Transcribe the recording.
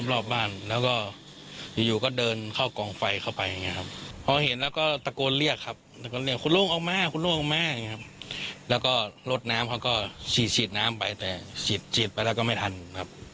แล้วก็รถน้ำเขาก็ฉีดฉีดน้ำไปแต่ฉีดฉีดไปแล้วก็ไม่ทันครับ